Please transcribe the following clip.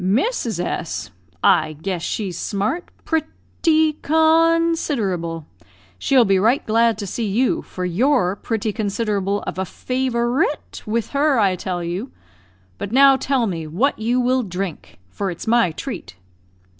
"Mrs. S , I guess she's smart, pret ty con siderable. She'll be right glad to see you, for you're pretty considerable of a favour ite with her, I tell you; but now tell me what you will drink? for it's my treat."